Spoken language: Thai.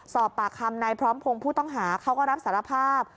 สอบปากคำนายพร้อมพงศ์ผู้ต้องหาเขาก็รับสารภาพ